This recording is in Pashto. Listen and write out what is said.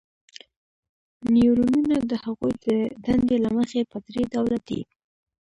نیورونونه د هغوی د دندې له مخې په درې ډوله دي.